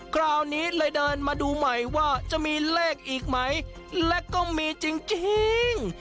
คราวนี้เลยเดินมาดูใหม่ว่าจะมีเลขอีกไหมและก็มีจริง